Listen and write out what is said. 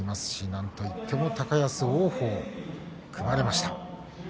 なんと言っても高安、王鵬が組まれました。